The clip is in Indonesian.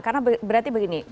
karena berarti begini